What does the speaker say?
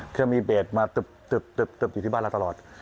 เครื่องมีเบสมาตึบอยู่ที่บ้านเราตลอด